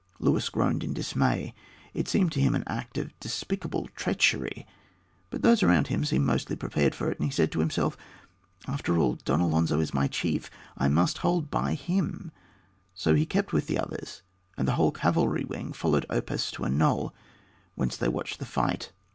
Luis groaned in dismay; it seemed to him an act of despicable treachery; but those around him seemed mostly prepared for it, and he said to himself, "After all, Don Alonzo is my chief; I must hold by him;" so he kept with the others, and the whole cavalry wing followed Oppas to a knoll, whence they watched the fight.